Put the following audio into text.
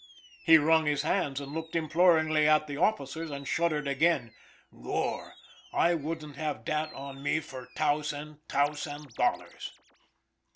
He wrung his hands, and looked imploringly at the officers, and shuddered again: "Gor r r, I wouldn't have dat on me fur tousand, tousand dollars."